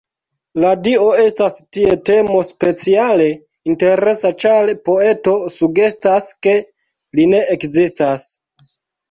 La Dio estas tie temo speciale interesa, ĉar poeto sugestas ke Li ne ekzistas.